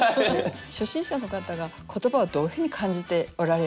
初心者の方が言葉をどういうふうに感じておられるのか。